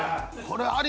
これは。